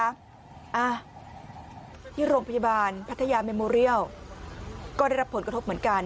อ่ะที่โรงพยาบาลพัทยาเมโมเรียลก็ได้รับผลกระทบเหมือนกัน